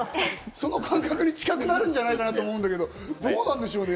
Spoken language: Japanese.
その感覚に近くなるんじゃないかなと思うんだけどどうなんでしょうね。